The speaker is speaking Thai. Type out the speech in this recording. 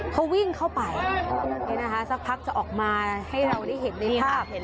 เขาวิ่งเข้าไปสักพักจะออกมาให้เราได้เห็นในภาพ